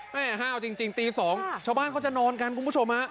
ห้าวจริงตี๒ชาวบ้านเขาจะนอนกันคุณผู้ชมฮะ